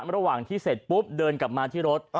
ระหว่างที่เสร็จปุ๊บเดินกลับมาที่รถ